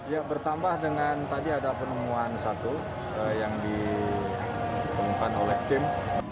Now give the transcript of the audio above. ya bertambah dengan tadi ada penemuan satu yang ditemukan oleh tim